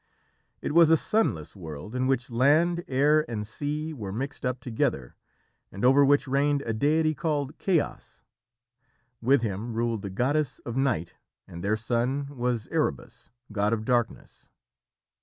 It was a sunless world in which land, air, and sea were mixed up together, and over which reigned a deity called Chaos. With him ruled the goddess of Night and their son was Erebus, god of Darkness.